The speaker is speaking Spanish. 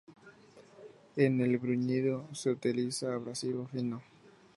En el bruñido se utiliza abrasivo fino.